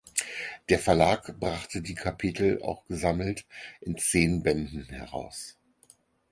Der Verlag brachte die Kapitel auch gesammelt in zehn Bänden heraus.